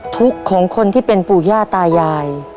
ทุกข์ของคนที่เป็นปู่ย่าตายาย